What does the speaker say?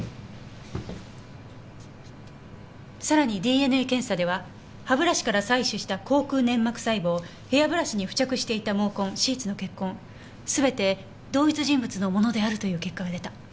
さらにＤＮＡ検査では歯ブラシから採取した口腔粘膜細胞ヘアブラシに付着していた毛根シーツの血痕すべて同一人物のものであるという結果が出た。